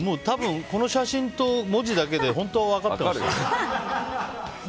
この写真と文字だけで本当は分かってました。